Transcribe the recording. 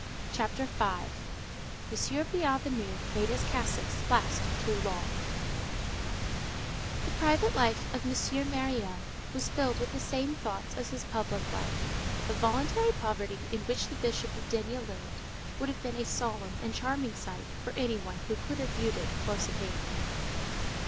CHAPTER V—MONSEIGNEUR BIENVENU MADE HIS CASSOCKS LAST TOO LONG The private life of M. Myriel was filled with the same thoughts as his public life. The voluntary poverty in which the Bishop of D—— lived, would have been a solemn and charming sight for any one who could have viewed it close at hand.